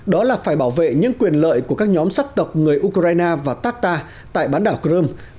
đó là phải bảo vệ những quyền lợi của các nhóm sắc tộc người ukraine và takta tại bán đảo crimea